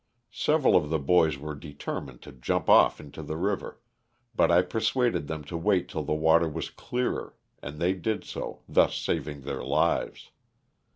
Several of the boys were determined to jump off into the river, but I persuaded them to wait till the water was clearer and they did so, thus saving their lives.